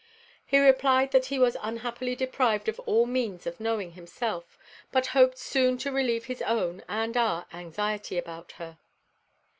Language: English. He replied that he was unhappily deprived of all means of knowing himself, but hoped soon to relieve his own and our anxiety about her.